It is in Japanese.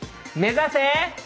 目指せ！